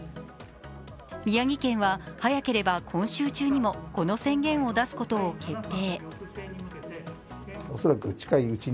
宮城県は早ければ今週中にもこの宣言を出すことを決定。